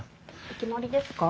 お決まりですか？